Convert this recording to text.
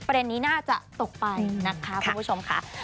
ประเด็นนี้น่าจะตกไปนะคะคุณผู้ชมค่ะ